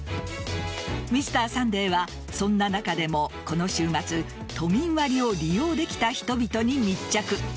「Ｍｒ．サンデー」はそんな中でも、この週末都民割を利用できた人々に密着。